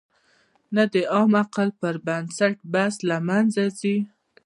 نو د عام عقل پر بنسټ بحث له منځه ځي.